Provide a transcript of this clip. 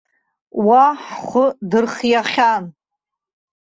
Уа ҳхәы дырхиахьан.